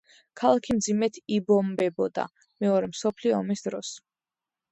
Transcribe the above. ქალაქი მძიმედ იბომბებოდა მეორე მსოფლიო ომის დროს.